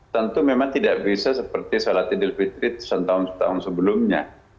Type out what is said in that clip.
tentu memang tidak bisa seperti sholat id dil fitri tahun tahun sebelumnya